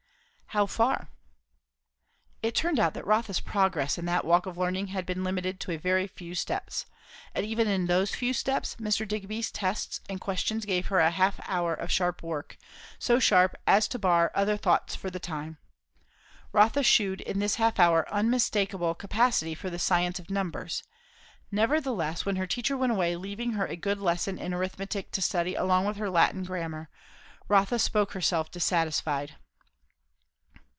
"How far?" It turned out that Rotha's progress in that walk of learning had been limited to a very few steps. And even in those few steps, Mr. Digby's tests and questions gave her a half hour of sharp work; so sharp as to bar other thoughts for the time. Rotha shewed in this half hour uumistakeable capacity for the science of numbers; nevertheless, when her teacher went away leaving her a good lesson in arithmetic to study along with her Latin grammar, Rotha spoke herself dissatisfied.